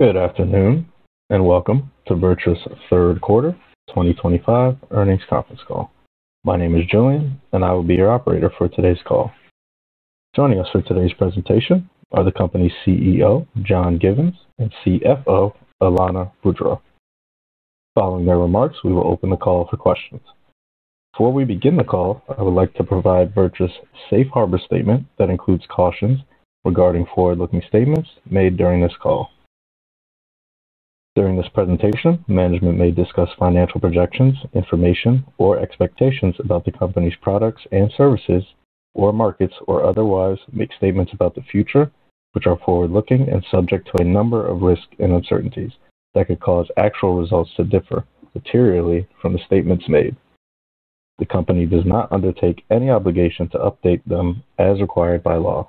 Good afternoon and welcome to VirTra's Third Quarter 2025 Earnings Conference Call. My name is Julian, and I will be your operator for today's call. Joining us for today's presentation are the company's CEO, John Givens, and CFO, Alanna Boudreau. Following their remarks, we will open the call for questions. Before we begin the call, I would like to provide VirTra's Safe Harbor Statement that includes cautions regarding forward-looking statements made during this call. During this presentation, management may discuss financial projections, information, or expectations about the company's products and services or markets or otherwise make statements about the future, which are forward-looking and subject to a number of risks and uncertainties that could cause actual results to differ materially from the statements made. The company does not undertake any obligation to update them as required by law.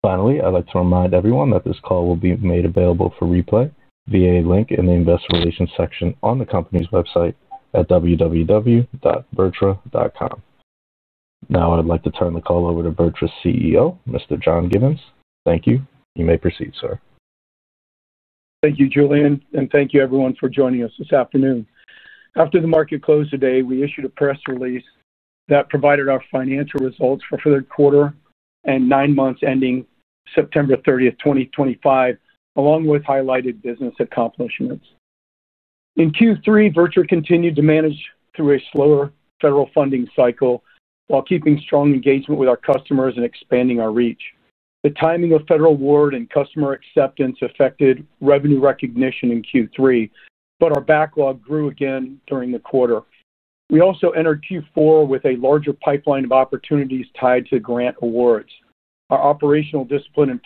Finally, I'd like to remind everyone that this call will be made available for replay via a link in the investor relations section on the company's website at www.virtra.com. Now, I'd like to turn the call over to VirTra's CEO, Mr. John Givens. Thank you. You may proceed, sir. Thank you, Julian, and thank you, everyone, for joining us this afternoon. After the market closed today, we issued a press release that provided our financial results for third quarter and nine months ending September 30th, 2025, along with highlighted business accomplishments. In Q3, VirTra continued to manage through a slower federal funding cycle while keeping strong engagement with our customers and expanding our reach. The timing of federal award and customer acceptance affected revenue recognition in Q3, but our backlog grew again during the quarter. We also entered Q4 with a larger pipeline of opportunities tied to grant awards. Our operational discipline and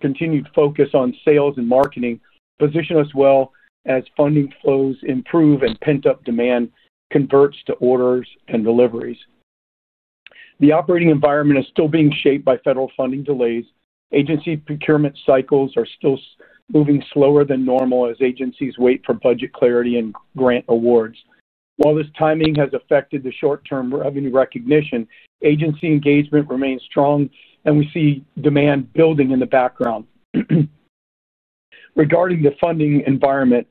continued focus on sales and marketing position us well as funding flows improve and pent-up demand converts to orders and deliveries. The operating environment is still being shaped by federal funding delays. Agency procurement cycles are still moving slower than normal as agencies wait for budget clarity and grant awards. While this timing has affected the short-term revenue recognition, agency engagement remains strong, and we see demand building in the background. Regarding the funding environment,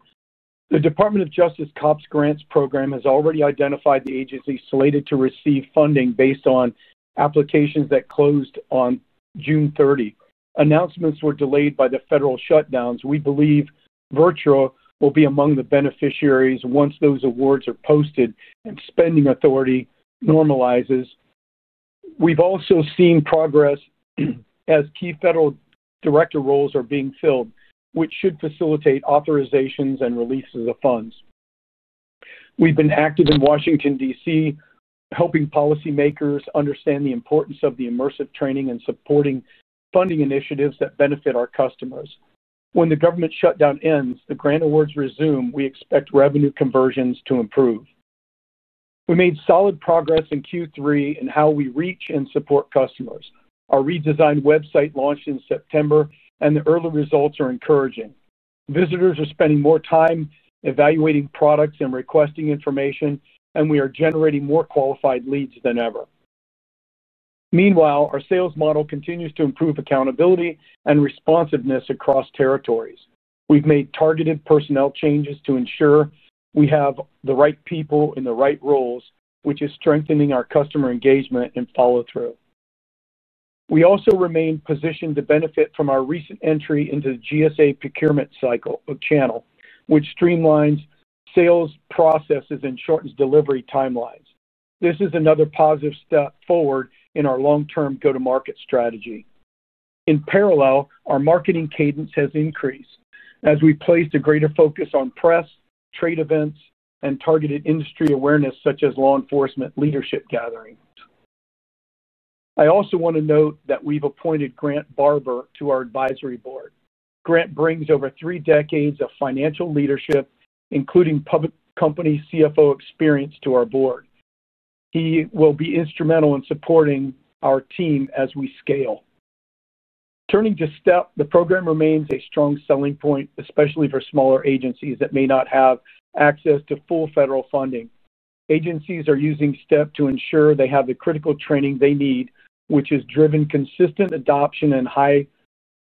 the Department of Justice COPS Grants Program has already identified the agencies slated to receive funding based on applications that closed on June 30th. Announcements were delayed by the federal shutdowns. We believe VirTra will be among the beneficiaries once those awards are posted and spending authority normalizes. We've also seen progress as key federal director roles are being filled, which should facilitate authorizations and releases of funds. We've been active in Washington, D.C., helping policymakers understand the importance of the immersive training and supporting funding initiatives that benefit our customers. When the government shutdown ends, the grant awards resume. We expect revenue conversions to improve. We made solid progress in Q3 in how we reach and support customers. Our redesigned website launched in September, and the early results are encouraging. Visitors are spending more time evaluating products and requesting information, and we are generating more qualified leads than ever. Meanwhile, our sales model continues to improve accountability and responsiveness across territories. We've made targeted personnel changes to ensure we have the right people in the right roles, which is strengthening our customer engagement and follow-through. We also remain positioned to benefit from our recent entry into the GSA procurement cycle channel, which streamlines sales processes and shortens delivery timelines. This is another positive step forward in our long-term go-to-market strategy. In parallel, our marketing cadence has increased as we placed a greater focus on press, trade events, and targeted industry awareness such as law enforcement leadership gatherings. I also want to note that we've appointed Grant Barber to our advisory board. Grant brings over three decades of financial leadership, including public company CFO experience, to our board. He will be instrumental in supporting our team as we scale. Turning to STEP, the program remains a strong selling point, especially for smaller agencies that may not have access to full federal funding. Agencies are using STEP to ensure they have the critical training they need, which has driven consistent adoption and high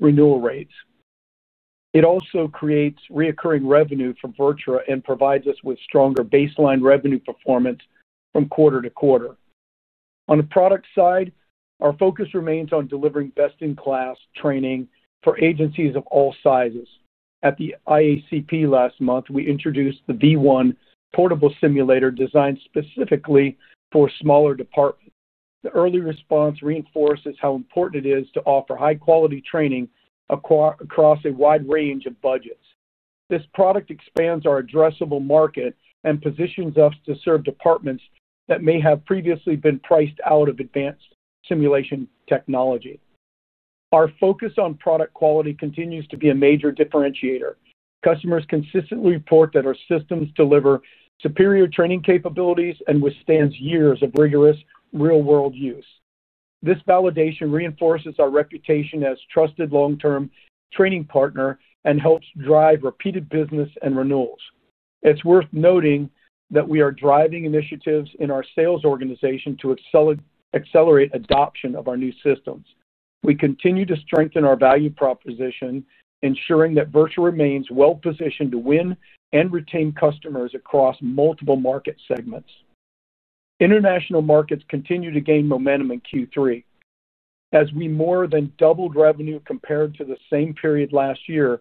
renewal rates. It also creates recurring revenue for VirTra and provides us with stronger baseline revenue performance from quarter to quarter. On the product side, our focus remains on delivering best-in-class training for agencies of all sizes. At the IACP last month, we introduced the V1 portable simulator designed specifically for smaller departments. The early response reinforces how important it is to offer high-quality training across a wide range of budgets. This product expands our addressable market and positions us to serve departments that may have previously been priced out of advanced simulation technology. Our focus on product quality continues to be a major differentiator. Customers consistently report that our systems deliver superior training capabilities and withstand years of rigorous real-world use. This validation reinforces our reputation as a trusted long-term training partner and helps drive repeated business and renewals. It's worth noting that we are driving initiatives in our sales organization to accelerate adoption of our new systems. We continue to strengthen our value proposition, ensuring that VirTra remains well-positioned to win and retain customers across multiple market segments. International markets continue to gain momentum in Q3 as we more than doubled revenue compared to the same period last year.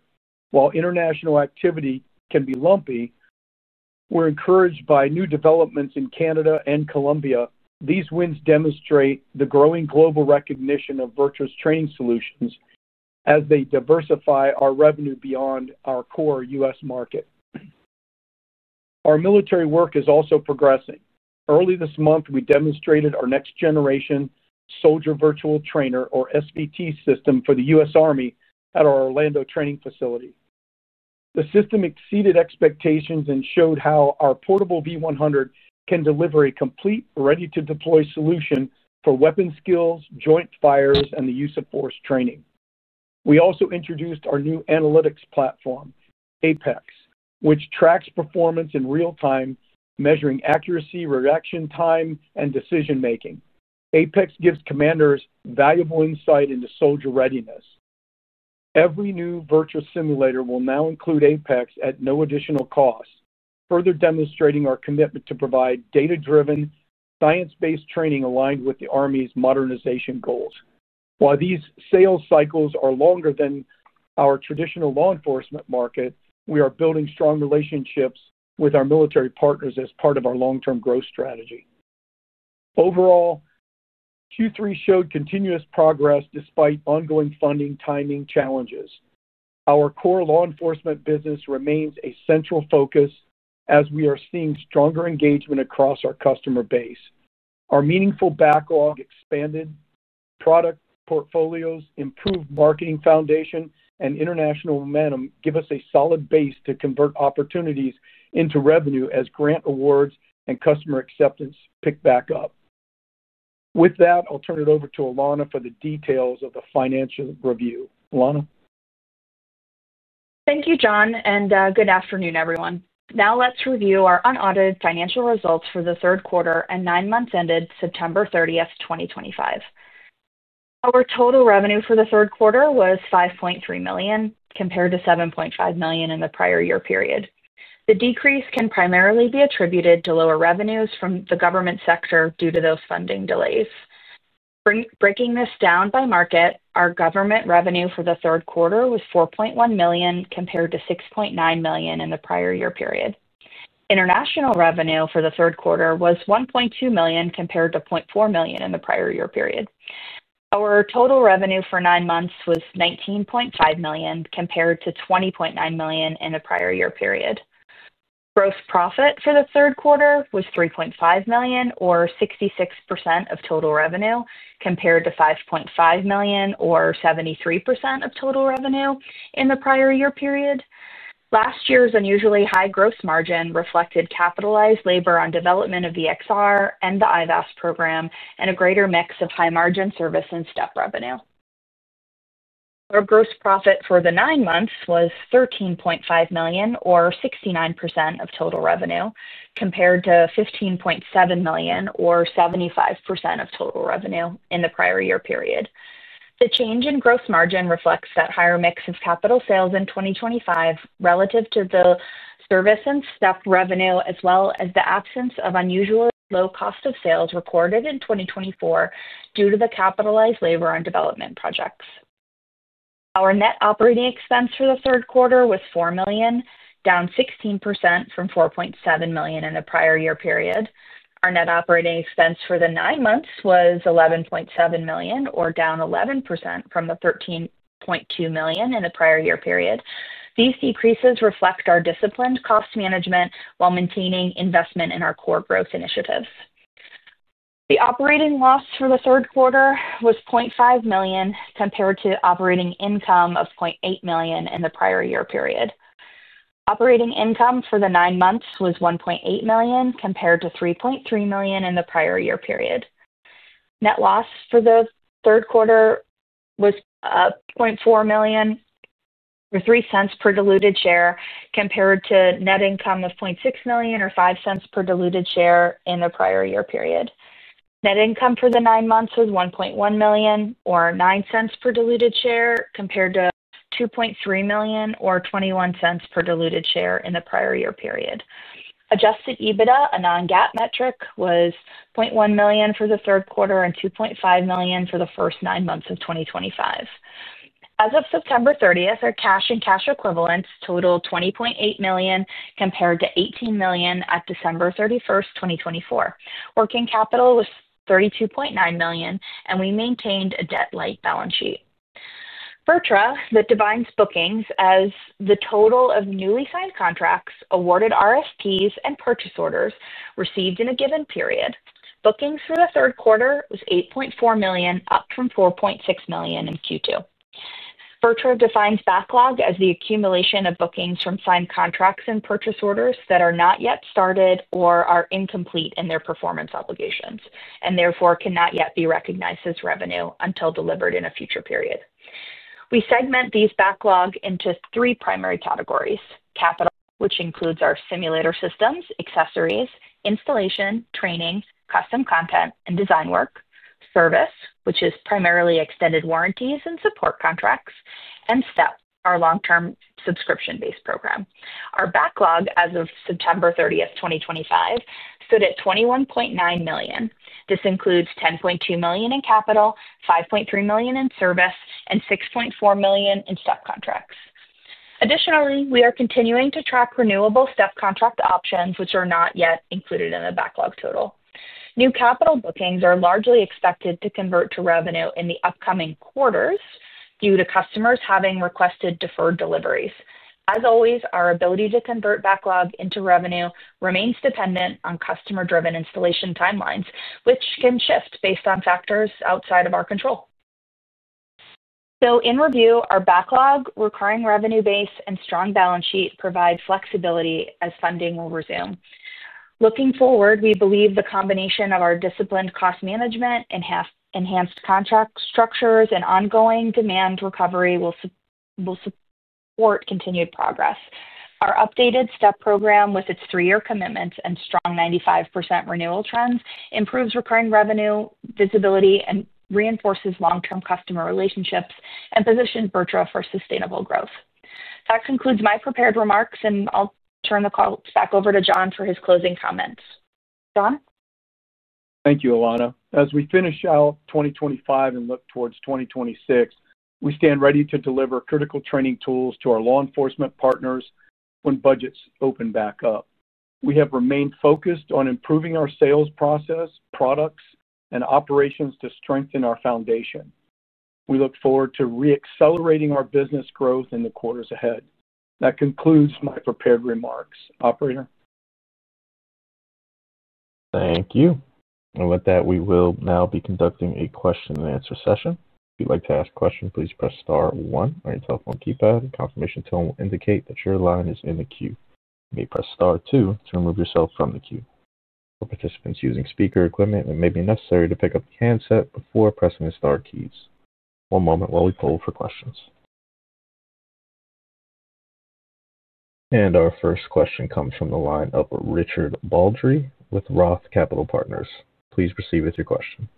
While international activity can be lumpy, we're encouraged by new developments in Canada and Colombia. These wins demonstrate the growing global recognition of VirTra's training solutions as they diversify our revenue beyond our core U.S. market. Our military work is also progressing. Early this month, we demonstrated our next-generation Soldier Virtual Trainer, or SVT, system for the US Army at our Orlando Training Facility. The system exceeded expectations and showed how our portable V100 can deliver a complete, ready-to-deploy solution for weapons skills, joint fires, and the use of force training. We also introduced our new analytics platform, APEX, which tracks performance in real time, measuring accuracy, reaction time, and decision-making. APEX gives commanders valuable insight into soldier readiness. Every new VirTra simulator will now include APEX at no additional cost, further demonstrating our commitment to provide data-driven, science-based training aligned with the Army's modernization goals. While these sales cycles are longer than our traditional law enforcement market, we are building strong relationships with our military partners as part of our long-term growth strategy. Overall, Q3 showed continuous progress despite ongoing funding timing challenges. Our core law enforcement business remains a central focus as we are seeing stronger engagement across our customer base. Our meaningful backlog expanded, product portfolios improved, marketing foundation, and international momentum give us a solid base to convert opportunities into revenue as grant awards and customer acceptance pick back up. With that, I'll turn it over to Alanna for the details of the financial review. Alanna. Thank you, John, and good afternoon, everyone. Now let's review our unaudited financial results for the third quarter and nine months ended September 30th, 2025. Our total revenue for the third quarter was $5.3 million compared to $7.5 million in the prior year period. The decrease can primarily be attributed to lower revenues from the government sector due to those funding delays. Breaking this down by market, our government revenue for the third quarter was $4.1 million compared to $6.9 million in the prior year period. International revenue for the third quarter was $1.2 million compared to $0.4 million in the prior year period. Our total revenue for nine months was $19.5 million compared to $20.9 million in the prior year period. Gross profit for the third quarter was $3.5 million, or 66% of total revenue, compared to $5.5 million, or 73% of total revenue in the prior year period. Last year's unusually high gross margin reflected capitalized labor on development of the XR and the IVAS program and a greater mix of high-margin service and STEP revenue. Our gross profit for the nine months was $13.5 million, or 69% of total revenue, compared to $15.7 million, or 75% of total revenue in the prior year period. The change in gross margin reflects that higher mix of capital sales in 2025 relative to the service and STEP revenue, as well as the absence of unusually low cost of sales recorded in 2024 due to the capitalized labor on development projects. Our net operating expense for the third quarter was $4 million, down 16% from $4.7 million in the prior year period. Our net operating expense for the nine months was $11.7 million, or down 11% from the $13.2 million in the prior year period. These decreases reflect our disciplined cost management while maintaining investment in our core growth initiatives. The operating loss for the third quarter was $0.5 million compared to operating income of $0.8 million in the prior year period. Operating income for the nine months was $1.8 million compared to $3.3 million in the prior year period. Net loss for the third quarter was $0.4 million or $0.03 per diluted share compared to net income of $0.6 million or $0.05 per diluted share in the prior year period. Net income for the nine months was $1.1 million or $0.09 per diluted share compared to $2.3 million or $0.21 per diluted share in the prior year period. Adjusted EBITDA, a non-GAAP metric, was $0.1 million for the third quarter and $2.5 million for the first nine months of 2025. As of September 30th, our cash and cash equivalents totaled $20.8 million compared to $18 million at December 31st, 2024. Working capital was $32.9 million, and we maintained a debt-light balance sheet. VirTra, that divides bookings as the total of newly signed contracts, awarded RFPs, and purchase orders received in a given period. Bookings for the third quarter was $8.4 million, up from $4.6 million in Q2. VirTra defines backlog as the accumulation of bookings from signed contracts and purchase orders that are not yet started or are incomplete in their performance obligations and therefore cannot yet be recognized as revenue until delivered in a future period. We segment these backlog into three primary categories: capital, which includes our simulator systems, accessories, installation, training, custom content, and design work; service, which is primarily extended warranties and support contracts; and STEP, our long-term subscription-based program. Our backlog as of September 30th, 2025, stood at $21.9 million. This includes $10.2 million in capital, $5.3 million in service, and $6.4 million in STEP contracts. Additionally, we are continuing to track renewable STEP contract options, which are not yet included in the backlog total. New capital bookings are largely expected to convert to revenue in the upcoming quarters due to customers having requested deferred deliveries. As always, our ability to convert backlog into revenue remains dependent on customer-driven installation timelines, which can shift based on factors outside of our control. In review, our backlog, recurring revenue base, and strong balance sheet provide flexibility as funding will resume. Looking forward, we believe the combination of our disciplined cost management, enhanced contract structures, and ongoing demand recovery will support continued progress. Our updated STEP program, with its three-year commitments and strong 95% renewal trends, improves recurring revenue visibility and reinforces long-term customer relationships and positions VirTra for sustainable growth. That concludes my prepared remarks, and I'll turn the call back over to John for his closing comments. John? Thank you, Alanna. As we finish out 2025 and look towards 2026, we stand ready to deliver critical training tools to our law enforcement partners when budgets open back up. We have remained focused on improving our sales process, products, and operations to strengthen our foundation. We look forward to re-accelerating our business growth in the quarters ahead. That concludes my prepared remarks. Operator? Thank you. With that, we will now be conducting a question-and-answer session. If you'd like to ask a question, please press Star 1 on your telephone keypad. A confirmation tone will indicate that your line is in the queue. You may press Star 2 to remove yourself from the queue. For participants using speaker equipment, it may be necessary to pick up the handset before pressing the Star keys. One moment while we poll for questions. Our first question comes from the line of Richard Baldrey with Roth Capital Partners. Please proceed with your question.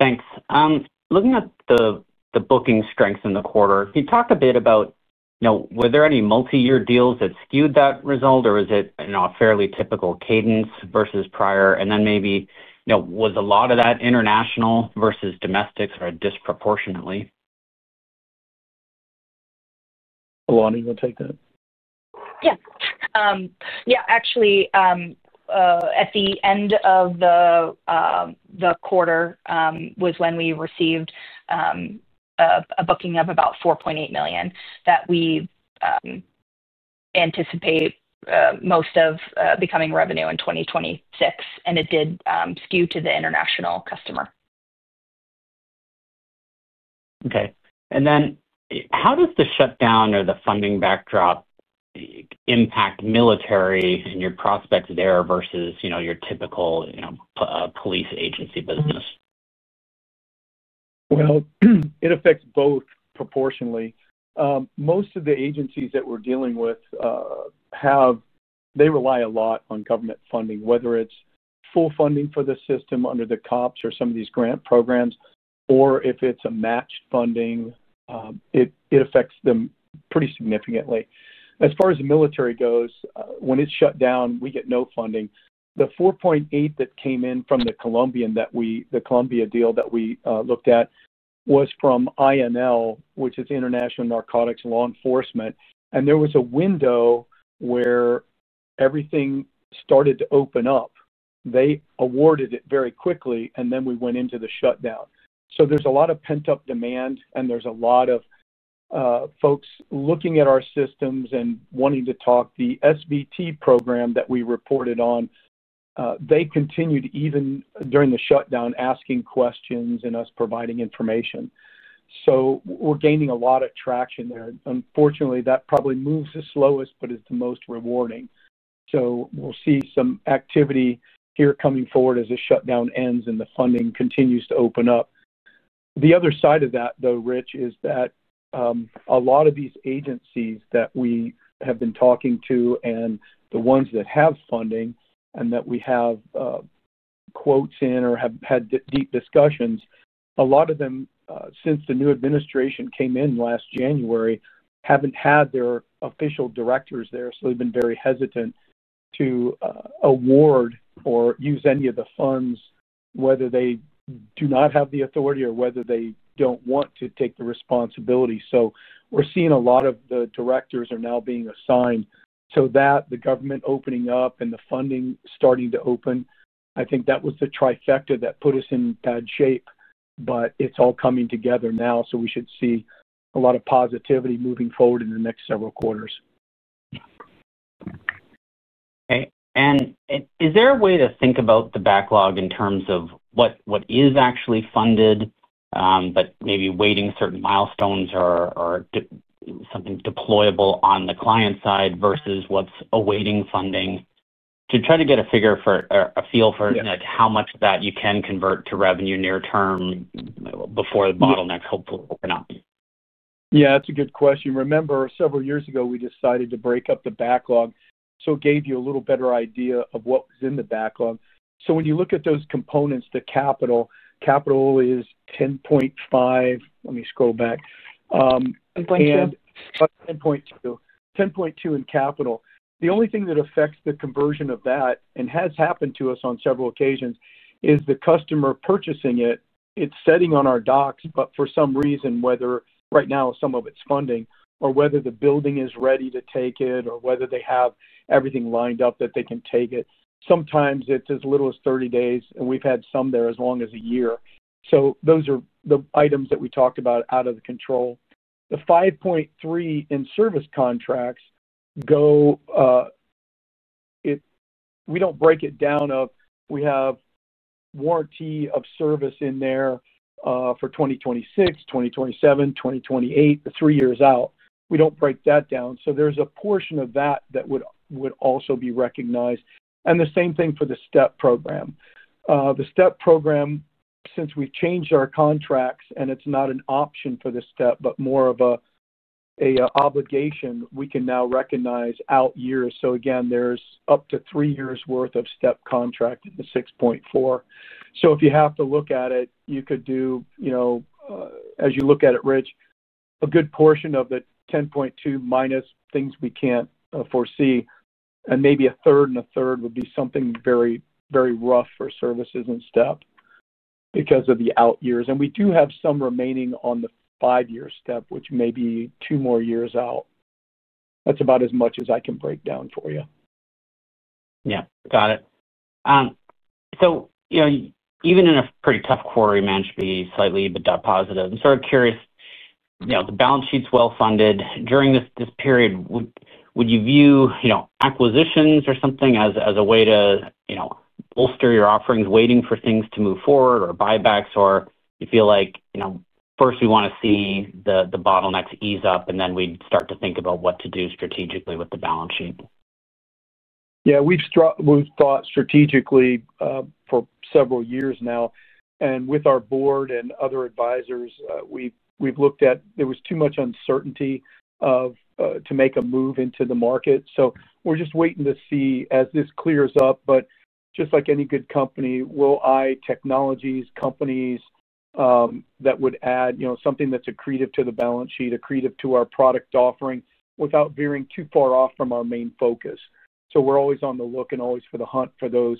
Thanks. Looking at the booking strength in the quarter, you talked a bit about, were there any multi-year deals that skewed that result, or is it a fairly typical cadence versus prior? Maybe, was a lot of that international versus domestics disproportionately? Alanna, you want to take that? Yeah. Yeah, actually, at the end of the quarter was when we received a booking of about $4.8 million that we anticipate most of becoming revenue in 2026, and it did skew to the international customer. Okay. How does the shutdown or the funding backdrop impact military and your prospects there versus your typical police agency business? It affects both proportionally. Most of the agencies that we're dealing with, they rely a lot on government funding, whether it's full funding for the system under the COPS or some of these grant programs, or if it's a matched funding, it affects them pretty significantly. As far as the military goes, when it's shut down, we get no funding. The $4.8 million that came in from the Colombia deal that we looked at was from INL, which is International Narcotics Law Enforcement, and there was a window where everything started to open up. They awarded it very quickly, and then we went into the shutdown. There is a lot of pent-up demand, and there are a lot of folks looking at our systems and wanting to talk. The SVT program that we reported on, they continued even during the shutdown asking questions and us providing information. We're gaining a lot of traction there. Unfortunately, that probably moves the slowest but is the most rewarding. We'll see some activity here coming forward as the shutdown ends and the funding continues to open up. The other side of that, though, Rich, is that a lot of these agencies that we have been talking to and the ones that have funding and that we have quotes in or have had deep discussions, a lot of them, since the new administration came in last January, haven't had their official directors there, so they've been very hesitant to award or use any of the funds, whether they do not have the authority or whether they don't want to take the responsibility. We're seeing a lot of the directors are now being assigned. That, the government opening up and the funding starting to open, I think that was the trifecta that put us in bad shape, but it's all coming together now, so we should see a lot of positivity moving forward in the next several quarters. Okay. Is there a way to think about the backlog in terms of what is actually funded but maybe waiting certain milestones or something deployable on the client side versus what is awaiting funding to try to get a figure for a feel for how much of that you can convert to revenue near term before the bottlenecks hopefully open up? Yeah, that's a good question. Remember, several years ago, we decided to break up the backlog, so it gave you a little better idea of what was in the backlog. When you look at those components, the capital, capital is $10.5. Let me scroll back. $10.2. $10.2 in capital. The only thing that affects the conversion of that, and has happened to us on several occasions, is the customer purchasing it. It's sitting on our docks, but for some reason, whether right now some of it's funding or whether the building is ready to take it or whether they have everything lined up that they can take it. Sometimes it's as little as 30 days, and we've had some there as long as a year. Those are the items that we talked about out of the control. The $5.3 in service contracts go, we don't break it down of we have warranty of service in there for 2026, 2027, 2028, the three years out. We don't break that down. There's a portion of that that would also be recognized. The same thing for the STEP program. The STEP program, since we've changed our contracts and it's not an option for the STEP but more of an obligation, we can now recognize out years. Again, there's up to three years' worth of STEP contract in the $6.4. If you have to look at it, you could do, as you look at it, Rich, a good portion of the $10.2 minus things we can't foresee, and maybe a third and a third would be something very, very rough for services and STEP because of the out years. We do have some remaining on the five-year STEP, which may be two more years out. That's about as much as I can break down for you. Yeah. Got it. So even in a pretty tough quarter, you managed to be slightly but positive. I'm sort of curious, the balance sheet's well funded. During this period, would you view acquisitions or something as a way to bolster your offerings, waiting for things to move forward or buybacks, or you feel like, first, we want to see the bottlenecks ease up, and then we'd start to think about what to do strategically with the balance sheet? Yeah. We've thought strategically for several years now. With our board and other advisors, we've looked at there was too much uncertainty to make a move into the market. We're just waiting to see as this clears up. Just like any good company, we will eye technologies companies that would add something that's accretive to the balance sheet, accretive to our product offering without veering too far off from our main focus. We're always on the look and always for the hunt for those.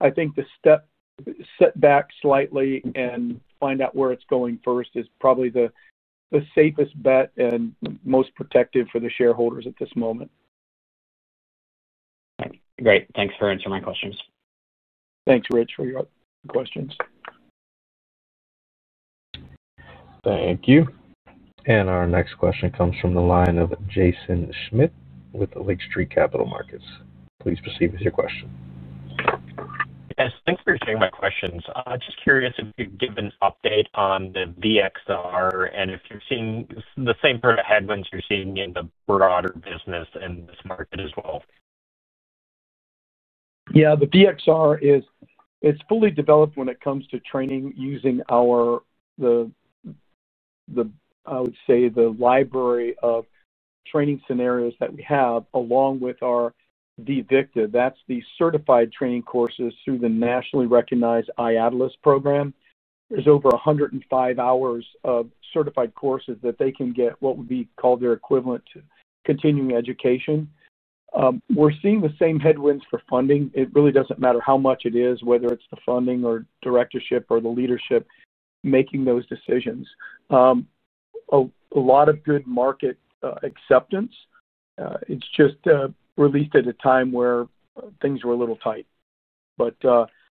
I think the STEP set back slightly and find out where it's going first is probably the safest bet and most protective for the shareholders at this moment. Okay. Great. Thanks for answering my questions. Thanks, Rich, for your questions. Thank you. Our next question comes from the line of Jaeson Schmidt with Lake Street Capital Markets. Please proceed with your question. Yes. Thanks for sharing my questions. Just curious if you could give an update on the BXR and if you're seeing the same sort of headwinds you're seeing in the broader business in this market as well? Yeah. The BXR, it's fully developed when it comes to training using our, I would say, the library of training scenarios that we have along with our V-VICTA. That's the certified training courses through the nationally recognized iAtlas program. There's over 105 hours of certified courses that they can get what would be called their equivalent to continuing education. We're seeing the same headwinds for funding. It really doesn't matter how much it is, whether it's the funding or directorship or the leadership making those decisions. A lot of good market acceptance. It's just released at a time where things were a little tight.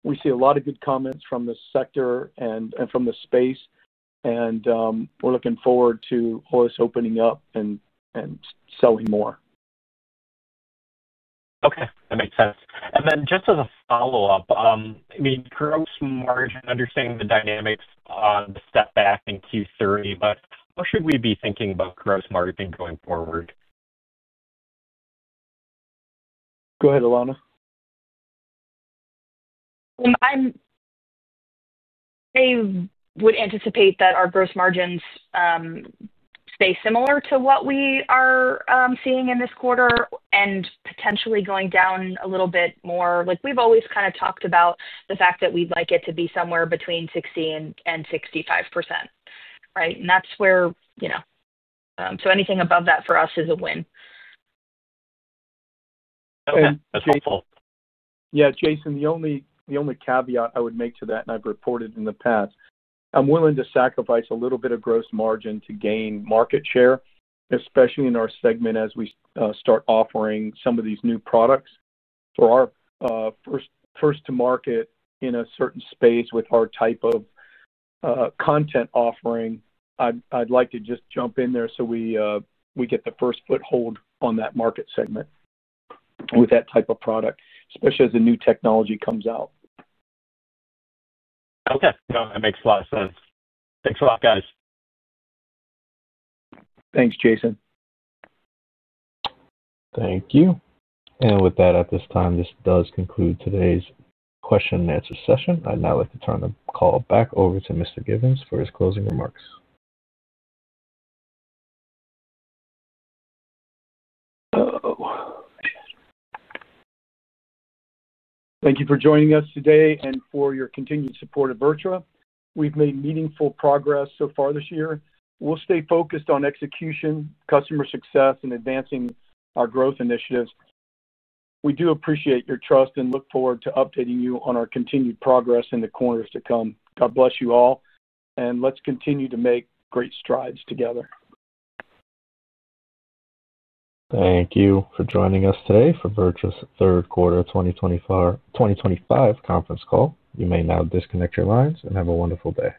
We see a lot of good comments from the sector and from the space, and we're looking forward to always opening up and selling more. Okay. That makes sense. I mean, gross margin, understanding the dynamics on the step back in Q3, but what should we be thinking about gross margin going forward? Go ahead, Alanna. I would anticipate that our gross margins stay similar to what we are seeing in this quarter and potentially going down a little bit more. We've always kind of talked about the fact that we'd like it to be somewhere between 60% and 65%, right? That's where, so anything above that for us is a win. Okay. That's helpful. Yeah. Jaeson, the only caveat I would make to that, and I've reported in the past, I'm willing to sacrifice a little bit of gross margin to gain market share, especially in our segment as we start offering some of these new products. For our first-to-market in a certain space with our type of content offering, I'd like to just jump in there so we get the first foothold on that market segment with that type of product, especially as the new technology comes out. Okay. That makes a lot of sense. Thanks a lot, guys. Thanks, Jaeson. Thank you. With that, at this time, this does conclude today's question-and-answer session. I'd now like to turn the call back over to Mr. Givens for his closing remarks. Thank you for joining us today and for your continued support of VirTra. We've made meaningful progress so far this year. We'll stay focused on execution, customer success, and advancing our growth initiatives. We do appreciate your trust and look forward to updating you on our continued progress in the quarters to come. God bless you all, and let's continue to make great strides together. Thank you for joining us today for VirTra's Third Quarter 2025 Conference Call. You may now disconnect your lines and have a wonderful day.